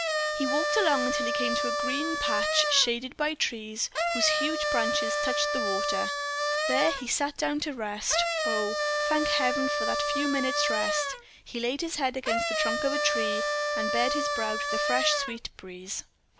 He walked along till he came to a green patch shaded by trees whose huge branches touched the water; there he sat down to rest. Oh! thank Heaven for that few minutes' rest. He laid his head against the trunk of a tree, and bared his brow to the fresh sweet breeze.